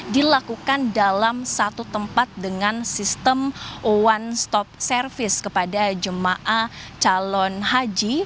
dilakukan dalam satu tempat dengan sistem one stop service kepada jemaah calon haji